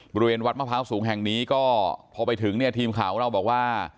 บริเวณวัดมะพร้าวสูงแห่งนี้ก็พอไปถึงเนี่ยทีมข่าวของเราบอกว่า